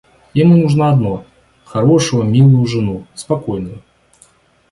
Ему нужно одно — хорошую, милую жену, спокойную.